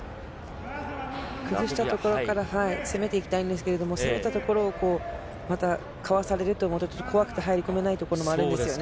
崩したところから攻めていきたいんですけれども、攻めたところをこう、またかわされると思うと怖くてはいり込めないあるんですよね。